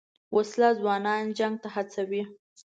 وسله ځوانان جنګ ته هڅوي